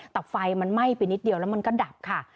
แต่ไฟมันไหม้ไปนิดเดียวแล้วมันก็ดับค่ะ